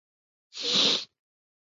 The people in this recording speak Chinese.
又曾任东川节度使。